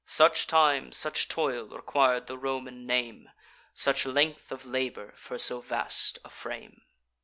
Such time, such toil, requir'd the Roman name, Such length of labour for so vast a frame.